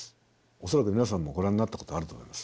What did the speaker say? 恐らく皆さんもご覧になったことあると思います。